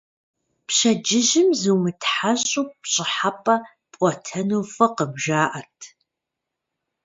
Пщэдджыжьым зумытхьэщӀу пщӀыхьэпӀэ пӀуэтэну фӀыкъым, жаӀэрт.